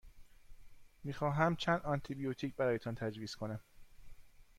می خواهمم چند آنتی بیوتیک برایتان تجویز کنم.